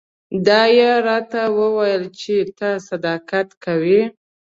دا یې راته وویل چې ته صداقت کوې.